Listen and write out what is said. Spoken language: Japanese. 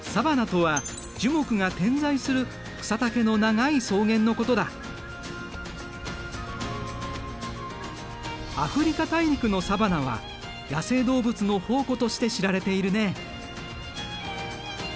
サバナとはアフリカ大陸のサバナは野生動物の宝庫として知られているね。